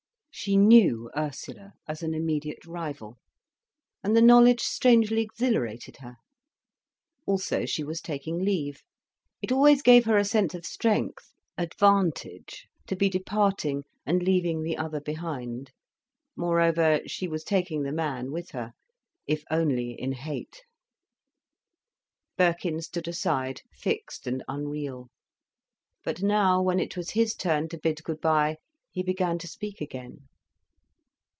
She knew Ursula as an immediate rival, and the knowledge strangely exhilarated her. Also she was taking leave. It always gave her a sense of strength, advantage, to be departing and leaving the other behind. Moreover she was taking the man with her, if only in hate. Birkin stood aside, fixed and unreal. But now, when it was his turn to bid good bye, he began to speak again.